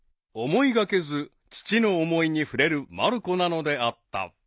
［思いがけず父の思いに触れるまる子なのであった］